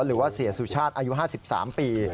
หรือว่าเสียสุชาติอายุ๕๓ปี